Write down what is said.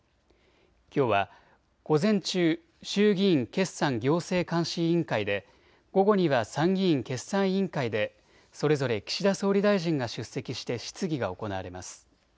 きょうは午前中、衆議院決算行政監視委員会で、午後には参議院決算委員会でそれぞれ岸田総理大臣が出席して質疑が行われます。